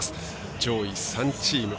上位３チーム。